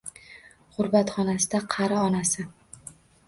G’urbatxonasida — Qari onasi.